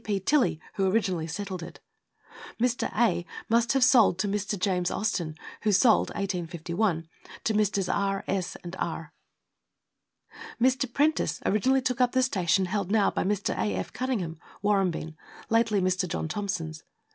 P. Tilley, who originally settled it. Mr. A. must have sold to Mr. James Austin, who sold (1851) to Messrs. R., S., and R. Mr. Prentice originally took up the station held now by Mr. A. F. Cunningham Warrambine lately Mr. John Thomson's.